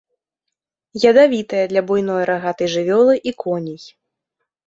Ядавітая для буйной рагатай жывёлы і коней.